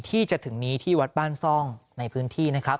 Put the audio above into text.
ที่จะถึงนี้ที่วัดบ้านซ่องในพื้นที่นะครับ